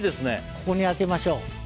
ここに当てましょう。